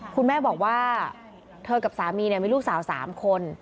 คุณแม่บอกว่าเธอกับสามีมีลูกสาว๓คน